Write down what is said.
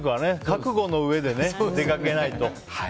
覚悟の上で出かけないと。